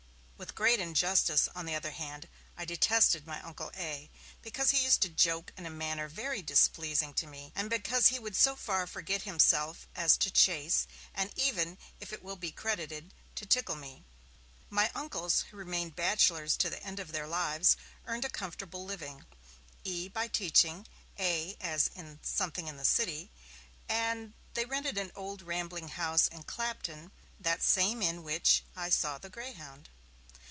With great injustice, on the other hand, I detested my Uncle A., because he used to joke in a manner very displeasing to me, and because he would so far forget himself as to chase, and even, if it will be credited, to tickle me. My uncles, who remained bachelors to the end of their lives, earned a comfortable living; E. by teaching, A. as 'something in the City', and they rented an old rambling house in Clapton, that same in which I saw the greyhound.